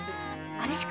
あれしか。